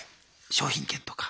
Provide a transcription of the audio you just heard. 商品券とか。